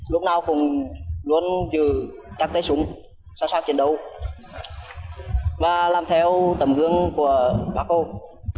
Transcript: lúc nào cũng luôn giữ các tay súng sẵn sàng chiến đấu và làm theo tầm gương của bác hồ